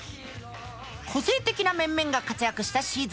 個性的な面々が活躍したシーズン１。